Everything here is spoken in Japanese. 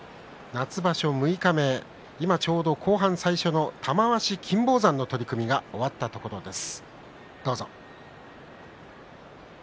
夏場所六日目今ちょうど後半最初の玉鷲、金峰山の取組が終わったところです。